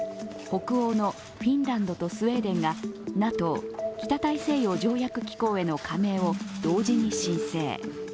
北欧のフィンランドとスウェーデンがＮＡＴＯ＝北大西洋条約機構の加盟を同時に申請。